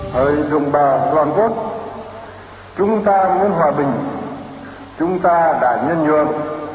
hời dùng bà toàn quốc chúng ta muốn hòa bình chúng ta đã nhân nhuận